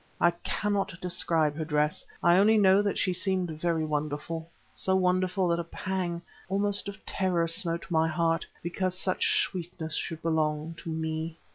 I cannot describe her dress; I only know that she seemed very wonderful so wonderful that a pang; almost of terror, smote my heart, because such sweetness should belong to me.